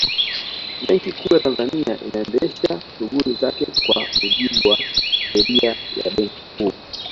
Benki Kuu ya Tanzania inaendesha shughuli zake kwa mujibu wa Sheria ya Benki Kuu